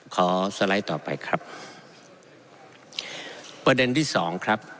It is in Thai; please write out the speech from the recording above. สไลด์ต่อไปครับประเด็นที่สองครับ